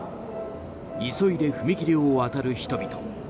急いで踏切を渡る人々。